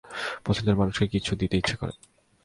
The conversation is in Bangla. পছন্দের মানুষকে কিছু দিতে ইচ্ছে করে।